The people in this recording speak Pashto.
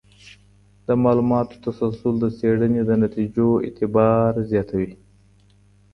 د معلوماتو تسلسل د څېړنې د نتیجو اعتبار زیاتوي.